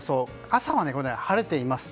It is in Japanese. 朝は晴れています。